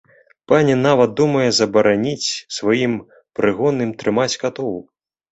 Пані нават думае забараніць сваім прыгонным трымаць катоў.